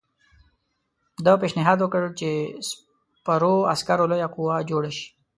ده پېشنهاد وکړ چې سپرو عسکرو لویه قوه جوړه شي.